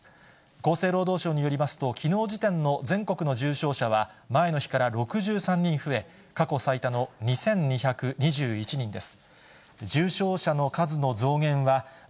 厚生労働省によりますと、きのう時点の全国の重症者は、前の日から６３人増え、過去最多の２２２１人です。